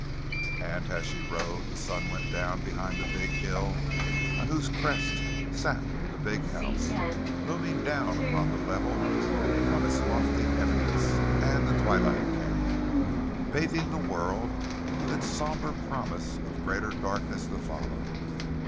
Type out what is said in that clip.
And as she rode, the sun went down behind the big hill on whose crest sat the big house, looming down upon the level from its lofty eminence; and the twilight came, bathing the world with its somber promise of greater darkness to follow.